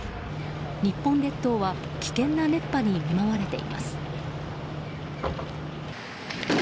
日本列島は危険な熱波に見舞われています。